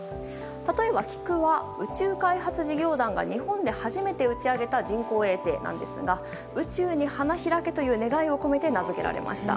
例えばきくは、宇宙開発事業団が日本で初めて打ち上げた人工衛星なんですが、宇宙に花開けという願いを込めて名付けられました。